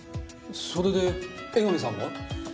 それで江上さんは？